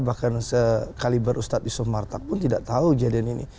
bahkan sekaliber ustadz isfah martak pun tidak tahu kejadian ini